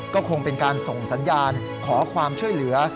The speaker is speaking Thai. ก็คงเป็นการส่งสัญญาณขอความช่วยเหลือ